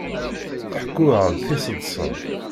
Tḥekku-aɣ-d tiseḍsa.